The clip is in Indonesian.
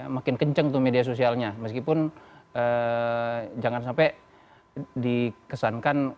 makin kenceng tuh media sosialnya meskipun jangan sampai dikesankan